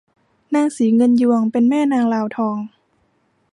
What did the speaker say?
นางศรีเงินยวงเป็นแม่นางลาวทอง